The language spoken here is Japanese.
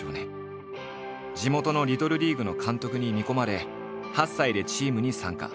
地元のリトルリーグの監督に見込まれ８歳でチームに参加。